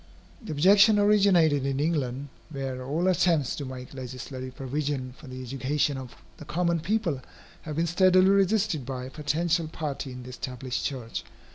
The objection originated in England, where all attempts to make legislative provision for the education of the common people have been steadily resisted by a potential party in the established church.